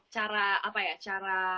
cara apa ya cara